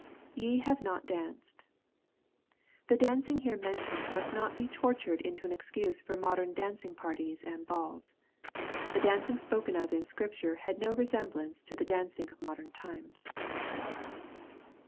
[Te have not danced.] The dancing here mentioned must not be tortured into an excuse for modem dandng^parties and balla The dancing spoken of in Scripture had no resemblance to the dancing of modem times.